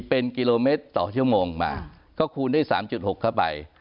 เป็นกิโลเมตรต่อชั่วโมงมาก็คูณด้วยสามจุดหกเข้าไป